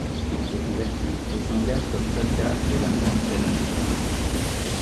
Il se convertit et s'engage comme soldat de l'Armée du salut.